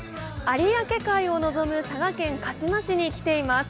有明海を望む佐賀県鹿島市に来ています。